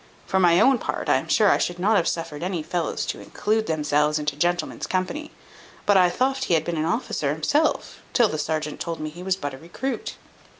For my own part, I am sure I should not have suffered any fellows to include themselves into gentlemen's company; but I thoft he had been an officer himself, till the serjeant told me he was but a recruit."